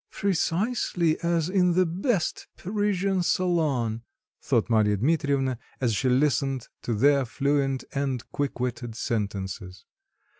"Precisely as in the best Parisian salon," thought Marya Dmitrievna, as she listened to their fluent and quick witted sentences.